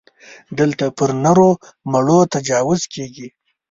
دلته پر نرو مړو تجاوز کېږي.